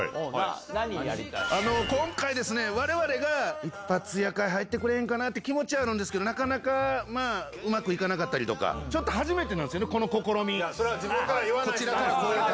今回ですね、われわれが一発屋会、入ってくれへんかなって気持ちあるんですけど、なかなか、まあ、うまくいかなかったりとか、ちょっと初めてなんですよね、この試みが。それは自分から言わない。